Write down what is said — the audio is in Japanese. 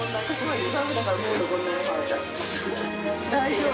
大丈夫。